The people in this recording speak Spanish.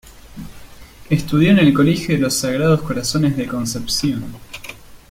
Estudió en el Colegio de los Sagrados Corazones de Concepción.